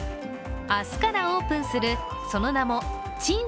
明日からオープンするその名も、チン！